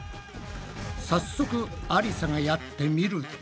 早速ありさがやってみると。